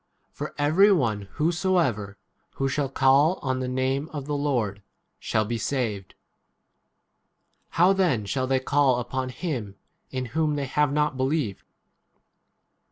13 For every one whosoever, who shall call off the name of the Lord, 14 shall be saved. How then shall they call upon him in whom they have not believed